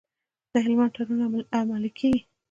د هلمند تړون عملي کیږي؟